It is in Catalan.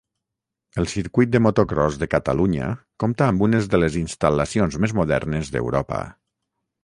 El Circuit de Motocròs de Catalunya compta amb unes de les instal·lacions més modernes d'Europa.